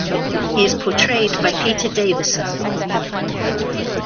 He is portrayed by Peter Davison.